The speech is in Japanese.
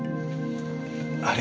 あれ？